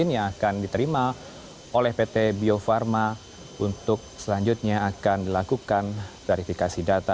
yang akan diterima oleh pt bio farma untuk selanjutnya akan dilakukan verifikasi data